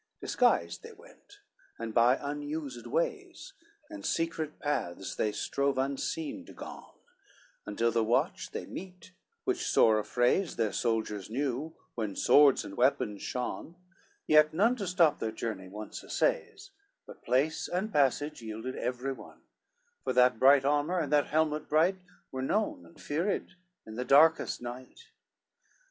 XCIV Disguised they went, and by unused ways, And secret paths they strove unseen to gone, Until the watch they meet, which sore affrays Their soldiers new, when swords and weapons shone Yet none to stop their journey once essays, But place and passage yielded every one; For that bright armor, and that helmet bright, Were known and feared, in the darkest night.